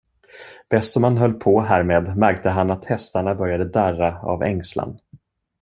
Bäst som han höll på härmed märkte han att hästarna började darra av ängslan.